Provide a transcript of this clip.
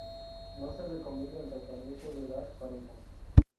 No se recomienda el tratamiento de las parejas.